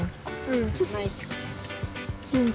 うん！